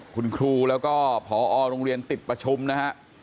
คุณครูแล้วก็พอโรงเรียนติดประชุมนะฮะ